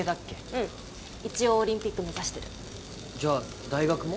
うん一応オリンピック目指してるじゃあ大学も？